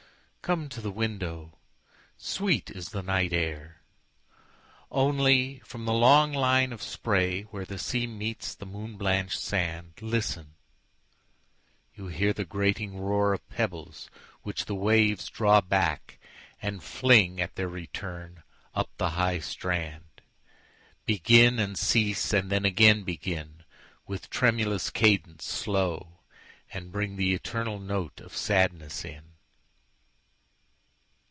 Come to the window, sweet is the night air! Only, from the long line of sprayWhere the sea meets the moon blanch'd sand, Listen! you hear the grating roarOf pebbles which the waves draw back, and fling, At their return, up the high strand, Begin, and cease, and then again begin, With tremulous cadence slow, and bringThe eternal note of sadness in.